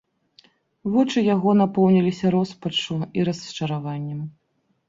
Вочы яго напоўніліся роспаччу і расчараваннем.